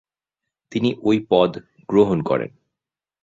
তিনি ঐ পদ গ্রহণ করেন।